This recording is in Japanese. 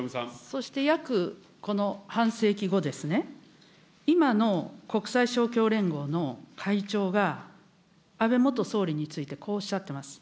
そして約、この半世紀後ですね、今の国際勝共連合の会長が、安倍元総理についてこうおっしゃってます。